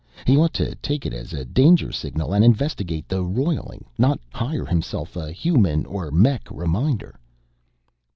He ought to take it as a danger signal and investigate the roiling, not hire himself a human or mech reminder."